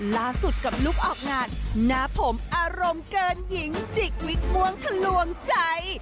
ล่าสุดกับลูกออกงานหน้าผมอารมณ์เกินหญิงจิกวิกม่วงทะลวงใจ